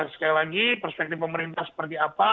sekali lagi perspektif pemerintah seperti apa